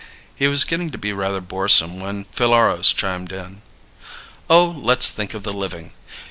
He was getting to be rather boresome when Phileros chimed in: "Oh, let's think of the living.